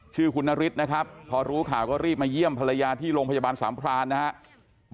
ชื่อคุณนฤทธิ์นะครับพอรู้ข่าวก็รีบมาเยี่ยมภรรยาที่โรงพยาบาลสามพรานนะครับ